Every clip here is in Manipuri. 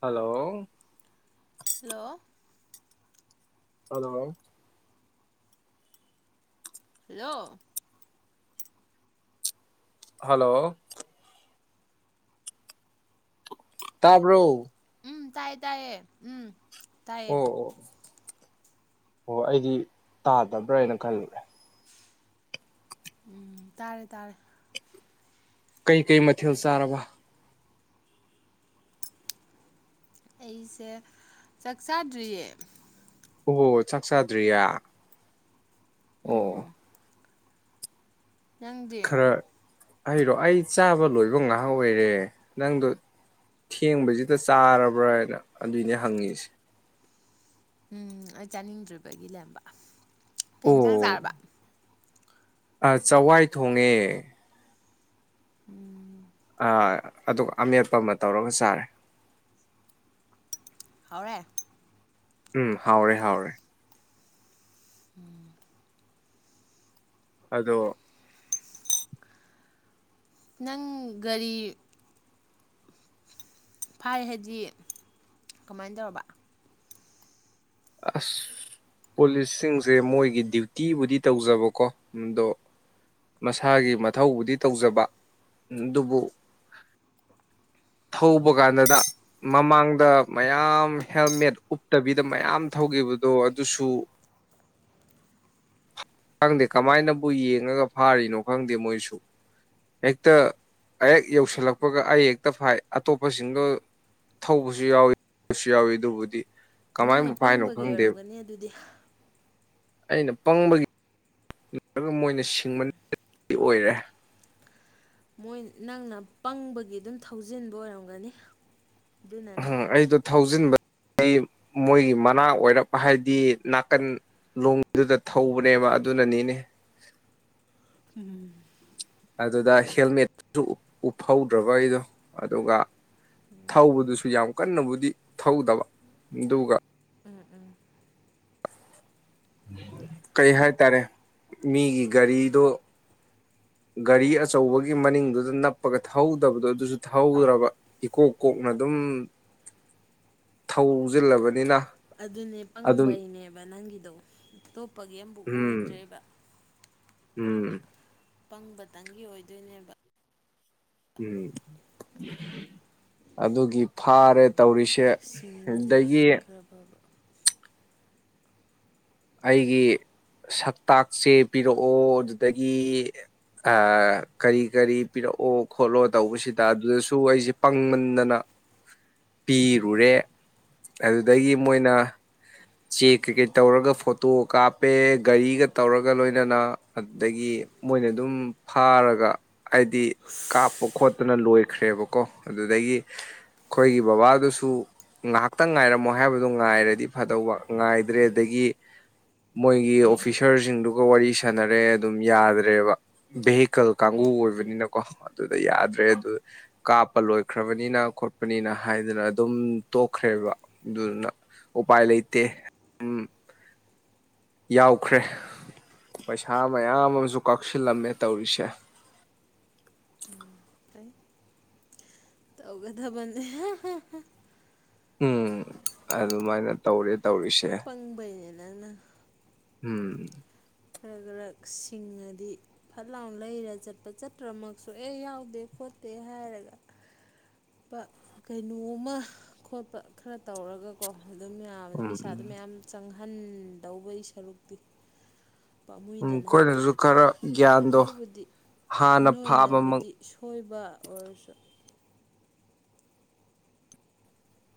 ꯍꯂꯣ ꯍꯜꯂꯣ ꯑꯗꯣ ꯍꯜꯂꯣ ꯍꯜꯂꯣ ꯇꯥꯕ꯭ꯔꯣ ꯇꯥꯏꯌꯦ ꯇꯥꯏꯌꯦ ꯎꯝ ꯇꯥꯏꯌꯦ ꯑꯣ ꯑꯣ ꯑꯣ ꯑꯩꯗꯤ ꯇꯥꯗꯕ꯭ꯔꯥ ꯍꯥꯏꯅ ꯈꯜꯂꯦ ꯎꯝ ꯇꯥꯔꯦ ꯇꯥꯔꯦ ꯀꯩ ꯀꯩ ꯃꯊꯦꯜ ꯆꯥꯔꯔꯕ ꯑꯩꯁꯦ ꯆꯥꯛ ꯆꯥꯗ꯭ꯔꯤꯌꯦ ꯑꯣ ꯆꯥꯛ ꯆꯥꯗ꯭ꯔꯤꯌꯥ ꯑꯣ ꯎꯝ ꯅꯪꯗꯤ ꯈꯔ ꯑꯩꯔꯣ ꯑꯩ ꯆꯥꯕ ꯂꯣꯏꯕ ꯉꯥꯏꯍꯥꯛ ꯑꯣꯏꯔꯦ ꯅꯪꯗꯣ ꯊꯦꯡꯕꯁꯤꯗ ꯆꯥꯔꯕ꯭ꯔꯅ ꯑꯗꯨꯏꯅꯦ ꯍꯪꯉꯤꯁꯦ ꯎꯝ ꯑꯩ ꯆꯥꯅꯤꯡꯗ꯭ꯔꯤꯕꯒꯤ ꯂꯩꯔꯝꯕ ꯀꯩ ꯌꯦꯟꯁꯥꯡ ꯑꯣ ꯆꯥꯔꯕ ꯑ ꯆꯋꯥꯏ ꯊꯣꯡꯉꯦ ꯎꯝ ꯑ ꯑꯗꯨꯒ ꯑꯃꯦꯠꯄ ꯑꯃ ꯇꯧꯔꯒ ꯆꯥꯔꯦ ꯍꯧꯅꯦ ꯎꯝ ꯍꯥꯎꯔꯦ ꯍꯥꯎꯔꯦ ꯎꯝ ꯑꯗꯣ ꯅꯪ ꯒꯥꯔꯤ ꯐꯥꯏ ꯍꯥꯏꯗꯤ ꯀꯃꯥꯏꯅ ꯇꯧꯔꯕ ꯑꯁ ꯄꯨꯂꯤꯁꯁꯤꯡꯁꯦ ꯃꯣꯏꯒꯤ ꯗ꯭ꯌꯨꯇꯤꯕꯨꯗꯤ ꯇꯧꯖꯕꯀꯣ ꯑꯗꯣ ꯃꯁꯥꯒꯤ ꯃꯊꯧꯕꯨꯗꯤ ꯇꯧꯖꯕ ꯑꯗꯨꯕꯨ ꯊꯧꯕ ꯀꯥꯟꯗꯗ ꯃꯃꯥꯡꯗ ꯃꯌꯥꯝ ꯍꯦꯜꯃꯦꯠ ꯎꯞꯇꯕꯤꯗ ꯃꯌꯥꯝ ꯊꯧꯈꯤꯕꯗꯣ ꯑꯗꯨꯁꯨ ꯈꯪꯗꯦ ꯀꯃꯥꯏꯅꯕꯨ ꯌꯦꯡꯉꯒ ꯐꯥꯔꯤꯅꯣ ꯈꯪꯗꯦ ꯃꯣꯏꯁꯨ ꯍꯦꯛꯇ ꯍꯦꯛ ꯌꯧꯁꯤꯜꯂꯛꯄꯒ ꯑꯩ ꯍꯦꯛꯇ ꯐꯥꯏ ꯑꯇꯣꯞꯄꯁꯤꯡꯗꯣ ꯊꯧꯕꯁꯨ ꯌꯥꯎꯏꯤꯁꯨ ꯌꯥꯎꯏ ꯑꯗꯨꯕꯨꯗꯤ ꯅꯪꯅ ꯀꯃꯥꯏꯅꯕꯨ ꯐꯥꯏꯅꯣ ꯄꯪꯕꯒꯤ ꯈꯪꯗꯦꯕ ꯑꯣꯏꯔꯝꯒꯅꯤ ꯑꯗꯨꯗꯤ ꯑꯩꯅ ꯄꯪꯕꯒꯤ ꯅꯠꯇꯒ ꯃꯣꯏꯅ ꯁꯤꯡꯕ ꯑꯣꯏꯔꯦ ꯃꯣꯏ ꯅꯪꯅ ꯄꯪꯕꯒꯤ ꯑꯗꯨꯝ ꯊꯧꯖꯤꯟꯕ ꯑꯣꯏꯔꯝꯒꯅꯤ ꯑ ꯑꯗꯨꯅꯅꯤ ꯑꯩꯗꯣ ꯊꯥꯎꯖꯤꯟꯕ ꯑꯩ ꯃꯣꯏꯒꯤ ꯃꯅꯥ ꯑꯣꯏꯔꯞ ꯍꯥꯏꯗꯤ ꯅꯥꯀꯟ ꯂꯣꯡꯗꯨꯗ ꯊꯧꯕꯅꯦꯕ ꯑꯗꯨꯅꯅꯤꯅꯦ ꯎꯝ ꯑꯗꯨꯗ ꯍꯦꯜꯃꯦꯠꯇꯁꯨ ꯎꯞꯍꯧꯗ꯭ꯔꯕꯩꯗꯣ ꯑꯗꯨꯒ ꯊꯧꯕꯗꯨꯁꯨ ꯌꯥꯝ ꯀꯟꯅꯕꯨꯗꯤ ꯊꯧꯗꯕ ꯑꯗꯨꯒ ꯀꯩ ꯍꯥꯏꯇꯥꯔꯦ ꯃꯤꯒꯤ ꯒꯥꯔꯤꯗꯣ ꯒꯥꯔꯤ ꯑꯆꯧꯕꯒꯤ ꯃꯅꯤꯡꯗꯨꯗ ꯅꯞꯄꯒ ꯊꯧꯍꯧꯗꯕꯗꯣ ꯑꯗꯨꯁꯨ ꯊꯧꯍꯧꯗ꯭ꯔꯕ ꯏꯀꯣꯛ ꯀꯣꯛꯅ ꯑꯗꯨꯝ ꯊꯧꯁꯤꯜꯂꯕꯅꯤꯅ ꯑꯗꯨꯅꯦ ꯄꯪꯕꯩꯅꯦꯕ ꯅꯪꯒꯤꯗꯣ ꯑꯇꯣꯞꯄꯒꯤ ꯑꯃꯐꯛ ꯎꯝ ꯑꯣꯏꯗ꯭ꯔꯦꯕ ꯎꯝ ꯄꯪꯕꯇꯪꯒꯤ ꯑꯣꯏꯗꯣꯏꯅꯦꯕ ꯎꯝ ꯑꯗꯨꯒꯤ ꯐꯥꯔꯦꯠ ꯇꯧꯔꯤꯁꯦ ꯁꯤꯡꯉꯗꯤ ꯑꯗꯒꯤ ꯈꯔ ꯐꯕ ꯑꯩꯒꯤ ꯁꯛꯇꯥꯛꯁꯦ ꯄꯤꯔꯛꯑꯣ ꯑꯗꯨꯗꯒꯤ ꯀꯔꯤ ꯀꯔꯤ ꯄꯤꯔꯛꯑꯣ ꯈꯣꯠꯂꯣ ꯇꯧꯕꯁꯤꯗ ꯑꯗꯨꯗꯁꯨ ꯑꯩꯁꯦ ꯄꯪꯃꯟꯗꯅ ꯄꯤꯔꯨꯔꯦ ꯑꯗꯨꯗꯒꯤ ꯃꯣꯏꯅ ꯆꯦꯛ ꯀꯩꯀꯩ ꯇꯧꯔꯒ ꯐꯣꯇꯣ ꯀꯥꯞꯄꯦ ꯒꯥꯔꯤꯒ ꯇꯧꯔꯒ ꯂꯣꯏꯅꯅ ꯑꯗꯨꯗꯒꯤ ꯃꯣꯏꯅ ꯑꯗꯨꯝ ꯐꯥꯔꯒ ꯍꯥꯏꯗꯤ ꯀꯥꯞꯄ ꯈꯣꯠꯇꯅ ꯂꯣꯏꯈ꯭ꯔꯦꯕꯀꯣ ꯑꯗꯨꯗꯒꯤ ꯑꯩꯈꯣꯏꯒꯤ ꯕꯕꯥꯗꯨꯁꯨ ꯉꯥꯏꯍꯥꯛꯇꯪ ꯉꯥꯏꯔꯝꯃꯣ ꯍꯥꯏꯕꯗꯣ ꯉꯥꯏꯔꯗꯤ ꯐꯗꯧꯕ ꯉꯥꯏꯗ꯭ꯔꯦ ꯑꯗꯒꯤ ꯃꯣꯏꯒꯤ ꯑꯣꯐꯤꯁꯥꯔꯁꯤꯡꯗꯨꯒ ꯋꯥꯔꯤ ꯁꯥꯥꯟꯅꯔꯦ ꯑꯗꯨꯝ ꯌꯥꯗ꯭ꯔꯦꯕ ꯚꯦꯍꯤꯀꯜ ꯀꯥꯡꯕꯨ ꯑꯣꯏꯕꯅꯤꯅꯀꯣ ꯑꯗꯨꯗ ꯌꯥꯗ꯭ꯔꯦ ꯑꯗꯨ ꯀꯥꯞꯄ ꯂꯣꯏꯈ꯭ꯔꯕꯅꯤꯅ ꯈꯣꯠꯄꯅꯤꯅ ꯍꯥꯏꯗꯅ ꯑꯗꯨꯝ ꯇꯣꯛꯈ꯭ꯔꯦꯕ ꯑꯗꯨꯅ ꯎꯄꯥꯏ ꯂꯩ ꯇꯦ ꯎꯝ ꯌꯥꯎꯈ꯭ꯔꯦ ꯄꯩꯁꯥ ꯃꯌꯥꯝ ꯑꯃꯁꯨ ꯀꯛꯁꯤꯜꯂꯝꯃꯦ ꯇꯧꯔꯤꯁꯦ ꯇꯧꯒ ꯊꯟꯖ ꯎꯝ ꯑꯗꯨꯃꯥꯏꯅ ꯇꯧꯔꯦ ꯇꯧꯔꯤꯁꯦ ꯄꯪꯕ ꯅ ꯎꯝ ꯈꯔ ꯈꯔ ꯁꯤꯡꯉꯗꯤ ꯐꯠ ꯂꯥꯎꯅ ꯂꯩꯔ ꯆꯠꯄ ꯆꯠꯇ꯭ꯔꯃꯛꯁꯨ ꯑꯦ ꯌꯥꯎꯗꯦ ꯈꯣꯠꯇꯦ ꯍꯥꯏꯔꯒ ꯀꯩꯅꯣꯃ ꯈꯣꯠꯄ ꯈꯔ ꯇꯧꯔꯒꯀꯣ ꯑꯗꯨꯝ ꯌꯥꯕꯅꯤ ꯎꯝ ꯄꯩꯁꯥꯗ ꯃꯌꯥꯝ ꯆꯪꯉ ꯑꯍꯟ ꯇꯧꯕꯩ ꯁꯔꯨꯛꯇꯤ ꯎꯝ ꯄꯥꯝꯃꯨꯏꯗꯅ ꯀꯣꯏꯅꯁꯨ ꯈꯔ ꯒ꯭ꯌꯥꯟꯗꯣ ꯑꯗꯨꯕꯨꯗꯤ ꯍꯥꯟꯅ ꯐꯥꯕꯃꯛ ꯅꯣꯏꯅꯕꯨꯗꯤ ꯁꯣꯏꯕ ꯑꯣꯏꯔꯁꯨ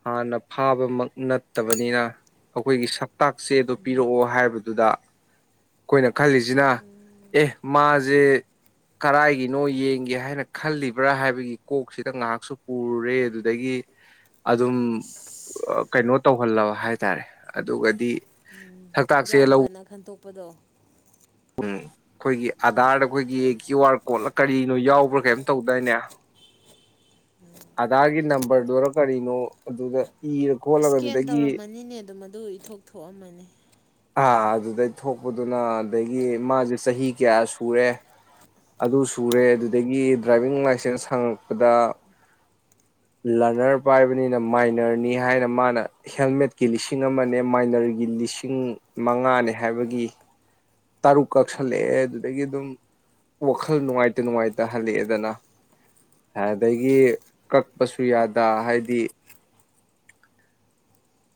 ꯍꯥꯟꯅ ꯐꯥꯕꯃꯛ ꯅꯠꯇꯕꯅꯤꯅ ꯑꯩꯈꯣꯏꯒꯤꯛ ꯇꯥꯛꯁꯦꯗꯣ ꯄꯤꯔꯛꯑꯣ ꯍꯥꯏꯕꯗꯨꯗ ꯀꯣꯏꯅ ꯈꯜꯂꯤꯁꯤꯅ ꯑꯦ ꯃꯥꯁꯦ ꯀꯔꯥꯏꯒꯤꯅꯣ ꯌꯦꯡꯒꯦ ꯍꯥꯏꯅ ꯈꯜꯂꯤꯕ꯭ꯔꯥ ꯍꯥꯏꯕꯒꯤ ꯀꯣꯛꯁꯤꯗ ꯉꯥꯏꯍꯥꯛꯁꯨ ꯄꯨꯨꯔꯦ ꯑꯗꯨꯗꯒꯤ ꯑꯗꯨꯝ ꯏꯁ ꯀꯩꯅꯣ ꯇꯧꯍꯜꯂꯕ ꯍꯥꯏꯇꯥꯔꯦ ꯑꯗꯨꯒꯗꯤ ꯎꯝ ꯁꯛꯇꯥꯛꯁꯦ ꯌꯥꯝ ꯐꯅ ꯈꯟꯇꯣꯛ ꯎꯄꯗꯣ ꯎꯝ ꯑꯩꯈꯣꯏꯒꯤ ꯑꯥꯙꯥꯔꯗ ꯑꯩꯈꯣꯏꯒꯤ ꯐꯩ ꯀ꯭ꯌꯨ ꯑꯥꯔ ꯀꯣꯗꯅ ꯀꯔꯤꯅꯣ ꯌꯥꯎꯕ꯭ꯔꯥ ꯀꯩꯅ‌ꯣꯝ ꯇꯧꯗꯏꯅꯦ ꯑꯗꯥꯒꯤ ꯅꯝꯕꯔꯗꯨꯔ ꯀꯔꯤꯅꯣ ꯑꯗꯨꯗ ꯏꯔ ꯈꯣꯠꯂꯒ ꯏꯁꯀꯦꯟ ꯑꯗꯨꯗꯒꯤ ꯇꯧꯔꯝꯃꯅꯤꯅꯦ ꯑꯗꯨꯣ ꯃꯗꯨ ꯏꯊꯣꯛ ꯊꯣꯛꯑꯝꯃꯅꯤ ꯑꯥ ꯑꯗꯨꯗꯩ ꯊꯣꯛꯄꯗꯨꯅ ꯑꯗꯒꯤ ꯃꯥꯁꯦ ꯆꯍꯤ ꯀꯌꯥ ꯁꯨꯔꯦ ꯑꯗꯨ ꯁꯨꯔꯦ ꯑꯗꯨꯗꯒꯤ ꯗ꯭ꯔꯥꯏꯚꯤꯡ ꯂꯥꯏꯁꯦꯟꯁ ꯍꯪꯉꯛꯄꯗ ꯂꯔꯅꯔ ꯄꯥꯏꯕꯅꯤꯅ ꯃꯥꯏꯅꯔꯅꯤ ꯍꯥꯏꯅ ꯃꯥꯅ ꯍꯦꯜꯃꯦꯠꯀꯤ ꯂꯤꯁꯤꯡ ꯑꯃꯅꯦ ꯃꯥꯏꯅꯔꯒꯤ ꯂꯤꯁꯤꯡ ꯃꯉꯥꯅꯤ ꯍꯥꯏꯕꯒꯤ ꯇꯔꯨꯛ ꯀꯛꯁꯜꯂꯛꯑꯦ ꯑꯗꯨꯗꯒꯤ ꯑꯗꯨꯝ ꯋꯥꯈꯜ ꯅꯨꯡꯉꯥꯏꯇ ꯅꯨꯡꯉꯥꯏꯇ ꯍꯜꯂꯛꯑꯦꯗꯅ ꯑꯗꯒꯤ ꯀꯛꯄꯁꯨ ꯌꯥꯗ ꯍꯥꯏꯗꯤ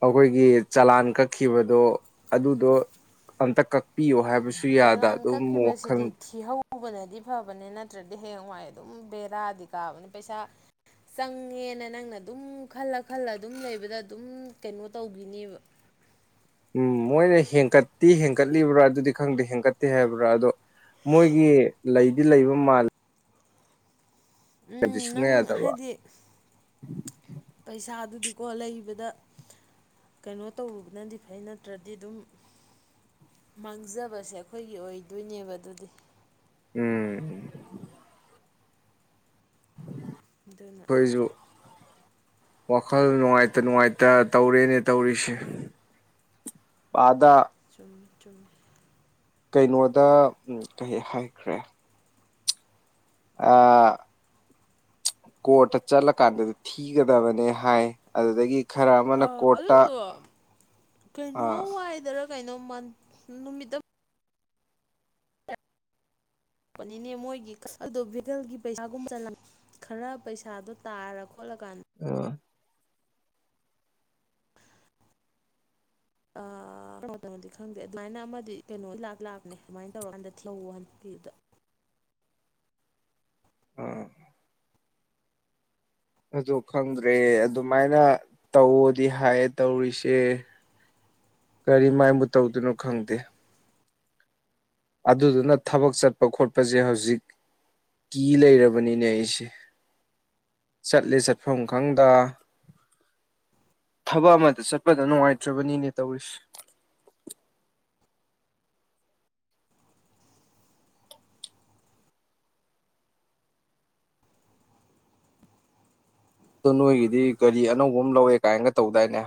ꯑꯥꯈꯣꯏꯒꯤ ꯆꯂꯥꯟ ꯀꯛꯈꯤꯕꯗꯣ ꯑꯗꯨꯗꯣ ꯑꯝꯇ ꯀꯛꯄꯤꯌꯣ ꯍꯥꯏꯕꯁꯨ ꯌꯥꯗ ꯆꯂꯥꯟ ꯑꯗꯨꯝ ꯋꯥꯈꯜ ꯀꯛꯈꯤꯕꯁꯤꯗꯤ ꯊꯤꯍꯧꯕꯅ ꯗꯤ ꯐꯕꯅꯦ ꯅꯠꯇ꯭ꯔꯗꯤ ꯍꯌꯦꯡꯋꯥꯏ ꯑꯗꯨꯝ ꯕꯦꯔꯥꯗꯤ ꯀꯥꯕꯅꯦ ꯄꯩꯁꯥ ꯆꯪꯉꯦꯅ ꯅꯪꯅ ꯑꯗꯨꯝ ꯈꯜꯂ ꯈꯜꯂ ꯑꯗꯨꯝ ꯂꯩꯕꯗ ꯑꯗꯨꯝ ꯀꯩꯅꯣ ꯇꯧꯈꯤꯅꯦꯕ ꯎꯝ ꯃꯣꯏꯅ ꯍꯦꯟꯀꯠꯇꯤ ꯍꯦꯟꯀꯠꯂꯤꯕ꯭ꯔꯥ ꯑꯗꯨꯗꯤ ꯈꯪꯗꯦ ꯍꯦꯟꯀꯠꯇꯦ ꯍꯥꯏꯕ꯭ꯔꯥ ꯑꯗꯣ ꯃꯣꯏꯒꯤ ꯂꯩꯗꯤ ꯂꯩꯕ ꯃꯥꯜꯂꯤ ꯎꯝ ꯅꯪ ꯌꯥꯗꯕ ꯍꯥꯏꯗꯤ ꯄꯩꯁꯥꯗꯨꯗꯤ ꯀꯣ ꯂꯩꯕꯗ ꯀꯩꯅꯣ ꯇꯕꯅꯗꯤ ꯐꯩ ꯅꯠꯇ꯭ꯔꯗꯤ ꯑꯗꯨꯝ ꯃꯥꯡꯖꯕꯁꯦ ꯑꯩꯈꯣꯏꯒꯤ ꯑꯣꯏꯗꯣꯏꯅꯦꯕ ꯑꯗꯨꯗꯤ ꯎꯝ ꯑꯗꯨꯅ ꯑꯩꯈꯣꯏꯁꯨ ꯋꯥꯈꯜ ꯅꯨꯡꯉꯥꯏꯇ ꯅꯨꯡꯉꯥꯏꯇ ꯇꯧꯔꯦꯅꯦ ꯇꯧꯔꯤꯁꯦ ꯑꯥꯗ ꯆꯨꯝ ꯆꯨꯝꯃꯦ ꯀꯩꯅꯣꯗ ꯎ ꯀꯩ ꯍꯥꯏꯈ꯭ꯔꯦ ꯑ ꯀꯣꯔꯠꯇ ꯆꯠꯂꯀꯥꯟꯗꯗꯤ ꯊꯤꯒꯗꯕꯅꯦ ꯍꯥꯏ ꯑꯗꯨꯗꯒꯤ ꯈꯔ ꯑ ꯑꯃꯅ ꯀꯣꯔꯠꯇ ꯑꯗꯨꯣ ꯀꯩꯅꯣ ꯑꯥ ꯍꯥꯏꯗꯔ ꯀꯩꯅꯣ ꯃꯟ ꯅꯨꯃꯤꯠꯇ ꯂꯥꯄꯅꯤꯅꯦ ꯃꯣꯏꯒꯤ ꯑꯗꯣ ꯚꯦꯀꯜꯒꯤ ꯄꯩꯁꯥꯒꯨꯝ ꯈꯔ ꯄꯩꯁꯥꯗꯣ ꯇꯥꯔ ꯈꯣꯠꯂꯀꯥꯟꯗ ꯑꯥ ꯑꯥ ꯇꯃꯣꯗꯤ ꯈꯪꯗꯦ ꯑꯗꯨꯃꯥꯏꯅ ꯑꯃꯗꯤ ꯀꯩꯅꯣ ꯂ ꯂꯥꯛꯅꯦ ꯑꯗꯨꯃꯥꯏꯅ ꯇꯧꯔꯀꯥꯟꯗ ꯂꯧꯍꯟꯕꯤꯗꯨꯗ ꯑꯥ ꯑꯩꯁ‌ꯣ ꯈꯪꯗ꯭ꯔꯦ ꯑꯗꯨꯃꯥꯏꯅ ꯇꯧꯗꯤ ꯍꯥꯏꯌꯦ ꯇꯧꯔꯤꯁꯦ ꯀꯔꯤꯃꯥꯏꯕꯨ ꯇꯧꯗꯣꯏꯅꯣ ꯈꯪꯗꯦ ꯑꯗꯨꯗꯨꯅ ꯊꯕꯛ ꯆꯠꯄ ꯈꯣꯠꯄꯁꯦ ꯍꯧꯖꯤꯛ ꯀꯤ ꯂꯩꯔꯕꯅꯤꯅꯦ ꯑꯩꯁꯦ ꯆꯠꯂꯦ ꯆꯠꯐꯝ ꯈꯪꯗ ꯊꯕꯛ ꯑꯃꯗ ꯆꯠꯄꯗ ꯅꯨꯡꯉꯥꯏꯇ꯭ꯔꯕꯅꯤꯅꯦ ꯇꯧꯔꯤꯁꯦ ꯑꯗꯨ ꯅꯣꯏꯒꯤꯗꯤ ꯒꯥꯔꯤ ꯑꯅꯧꯕ ꯑꯃ ꯂꯧꯋꯦ ꯀꯥꯏꯅꯒ ꯇꯧꯗꯥꯏꯅꯦ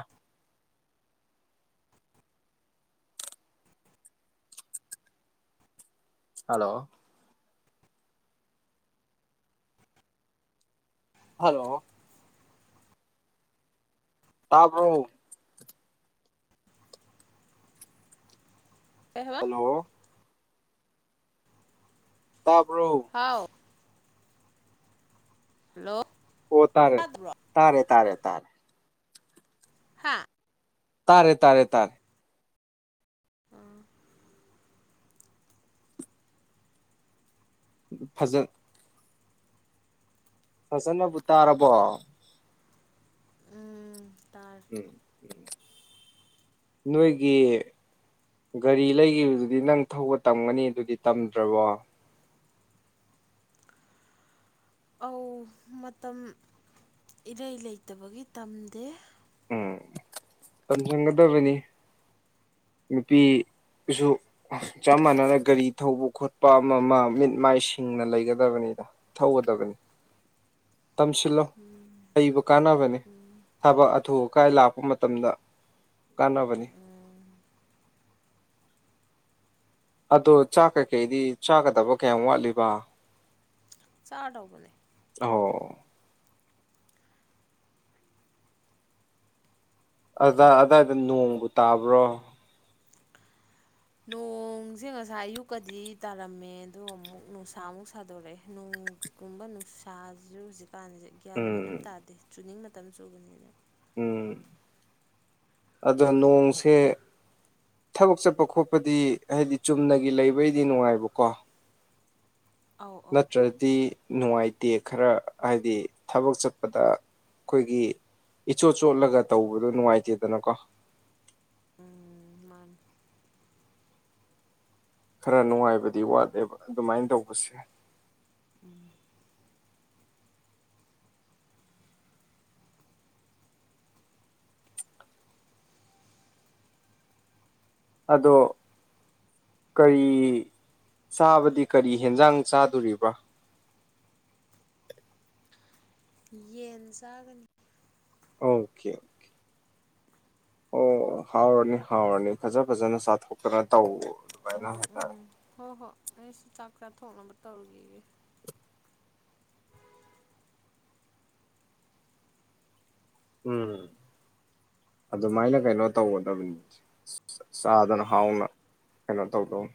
ꯍꯜꯂꯣ ꯍꯜꯂꯣ ꯇꯥꯕꯔꯣ ꯀꯩ ꯍꯥꯏꯕ ꯍꯜꯂꯣ ꯇꯥꯕ꯭ꯔꯣ ꯍꯥꯎ ꯍꯜꯂꯣ ꯑꯣ ꯇꯥꯔꯦ ꯇꯥꯗꯕ꯭ꯔꯣ ꯇꯥꯔꯦ ꯇꯥꯔꯦ ꯇꯔꯦ ꯍꯥꯥ ꯇꯥꯔꯦ ꯇꯥꯔꯦ ꯇꯥꯔꯦ ꯐꯖ ꯐꯖꯅꯕꯨ ꯇꯥꯔꯕꯣ ꯎꯝ ꯇꯥꯔꯦ ꯎꯝ ꯅꯣꯏꯒꯤ ꯒꯥꯔꯤ ꯂꯩꯈꯤꯕꯗꯨꯗꯤ ꯅꯪ ꯊꯧꯕ ꯇꯝꯒꯅꯤ ꯗꯨꯗꯤ ꯇꯝꯗ꯭ꯔꯕꯣ ꯑꯧ ꯃꯇꯝ ꯏꯔꯩ ꯂꯩꯇꯕꯒꯤ ꯇꯝꯗꯦ ꯎꯝ ꯄꯟ ꯆꯒꯗꯕꯅꯤ ꯅꯨꯄꯤꯁꯨ ꯆꯞ ꯃꯥꯟꯅꯅ ꯒꯥꯔꯤ ꯊꯧꯕ ꯈꯣꯠꯄ ꯑꯃ ꯑꯃ ꯃꯤꯠ ꯃꯥꯏ ꯁꯤꯡꯅ ꯂꯩꯒꯗꯕꯅꯤꯅ ꯊꯧꯒꯗꯕꯅꯤ ꯇꯝꯁꯤꯜꯂꯣ ꯍꯩꯕ ꯀꯥꯟꯅꯕꯅꯦ ꯊꯕꯛ ꯑꯊꯑ ꯑꯀꯥꯏ ꯂꯥꯛꯄ ꯃꯇꯝꯗ ꯀꯥꯟꯅꯕꯅꯤ ꯎꯝ ꯑꯗꯣ ꯆꯥꯛ ꯀꯩꯀꯩꯗꯤ ꯆꯥꯒꯗꯕ ꯀꯌꯥꯝ ꯋꯥꯠꯂꯤꯕ ꯆꯥꯗꯧꯕꯅꯦ ꯑꯣ ꯑꯗꯥꯏ ꯑꯗꯥꯏꯗ ꯅꯣꯡꯕꯨ ꯇꯥꯕ꯭ꯔꯣ ꯅꯣꯡꯁꯦ ꯉꯁꯥꯏ ꯑꯌꯨꯛꯀꯗꯤ ꯇꯥꯔꯝꯃꯦ ꯑꯗꯨꯒꯗꯣ ꯑꯃꯨꯛ ꯅꯨꯡꯁꯥ ꯑꯃꯨꯛ ꯁꯥꯗꯣꯔꯛꯑꯦ ꯅꯣꯡꯒꯨꯝꯕ ꯅꯨꯡꯁꯥꯁꯤꯁꯨ ꯍꯧꯖꯤꯛ ꯀꯥꯟꯁꯦ ꯒ꯭ꯌꯥꯟ ꯃꯦꯟꯂꯝ ꯎꯝ ꯇꯥꯗꯦ ꯆꯨꯅꯤꯡ ꯃꯇꯝ ꯆꯨꯕꯅꯤꯗ ꯎꯝ ꯑꯗꯨ ꯅꯣꯡꯁꯦ ꯊꯕꯛ ꯆꯠꯄ ꯈꯣꯠꯄꯗꯤ ꯍꯥꯏꯗꯤ ꯆꯨꯝꯅꯒꯤ ꯂꯩꯕꯩꯗꯤ ꯅꯨꯡꯉꯥꯏꯕꯀꯣ ꯑꯧ ꯑꯧ ꯅꯠꯇ꯭ꯔꯗꯤ ꯅꯨꯡꯉꯥꯏꯇꯦ ꯈꯔ ꯍꯥꯏꯗꯤ ꯊꯕꯛ ꯆꯠꯄꯗ ꯑꯩꯈꯣꯏꯒꯤ ꯏꯆꯣꯠ ꯆꯣꯠꯂꯒ ꯇꯧꯕꯗꯣ ꯅꯨꯡꯉꯥꯏꯇꯦꯗꯅꯀꯣ ꯎꯝ ꯃꯥꯅꯦ ꯈꯔ ꯅꯨꯡꯉꯥꯏꯕꯗꯤ ꯋꯥꯠꯂꯦꯕ ꯑꯗꯨꯃꯥꯏꯅ ꯇꯧꯕꯁꯦ ꯎꯝ ꯑꯗꯣ ꯀꯔꯤ ꯆꯥꯕꯗꯤ ꯀꯔꯤ ꯍꯦꯟꯖꯥꯡ ꯆꯥꯗꯣꯔꯤꯕ꯭ꯔꯥ ꯌꯦꯟ ꯆꯥꯒꯅꯤ ꯑꯣꯀꯦ ꯑꯣꯀꯦ ꯑꯣ ꯍꯥꯎꯔꯅꯤ ꯍꯥꯎꯔꯅꯤ ꯐꯖ ꯐꯖꯅ ꯆꯥꯊꯣꯛꯇꯅ ꯇꯧ ꯑꯗꯨꯃꯥꯏꯅ ꯎꯝ ꯍꯥꯏꯇꯥꯔꯦ ꯎꯝ ꯍꯣꯏ ꯍꯣ ꯑꯩꯁꯨ ꯆꯥꯛ ꯆꯥꯊꯣꯛꯅꯕ ꯇꯧꯒꯒ ꯎꯝ ꯑꯗꯨꯃꯥꯏꯅ ꯀꯩꯅꯣ ꯇꯧꯒꯗꯕꯅꯤ ꯆꯥꯗꯅ ꯍꯥꯎꯅ ꯀꯩꯅꯣ ꯇꯧꯗꯧꯅꯤ